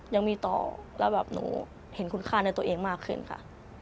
ยังมีต่อแล้วแบบหนูเห็นคุณค่าในตัวเองมากขึ้นค่ะ